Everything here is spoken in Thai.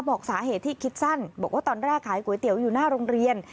บอกสาเหตุที่คิดสั้นบอกว่าตอนแรกขายก๋วยเตี๋ยวอยู่หน้าโรงเรียน